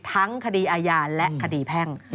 ทั้งคดีอาญาและคดีแพ่ง